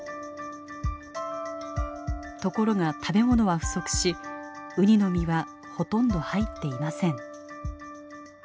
ところが食べ物は不足しウニの身はほとんど入っていません。